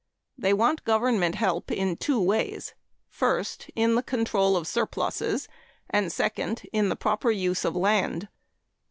They want government help in two ways: first, in the control of surpluses, and, second, in the proper use of land.